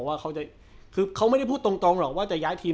ว่าเขาจะคือเขาไม่ได้พูดตรงหรอกว่าจะย้ายทีม